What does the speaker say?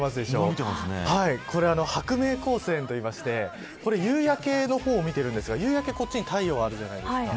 これは、薄明光線と言いまして夕焼けの方を見ているんですが夕焼けはこっちに太陽があるじゃないですか。